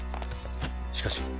しかし。